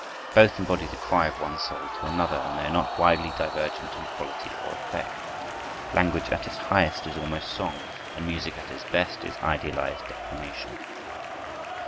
Both embody the cry of one soul to another, and they are not widely divergent in quality or effect. Language at its highest is almost song, and music at its best is idealized declamation.